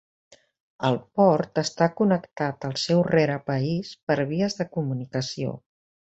El port està connectat al seu rerepaís per vies de comunicació.